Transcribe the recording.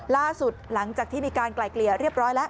หลังจากที่มีการไกลเกลี่ยเรียบร้อยแล้ว